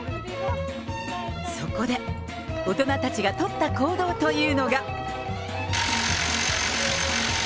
そこで、大人たちが取った行動というのが。